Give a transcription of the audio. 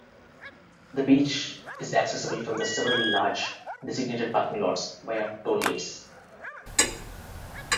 The beach is accessible from the several large, designated parking lots via toll gates.